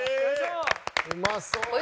うまそう。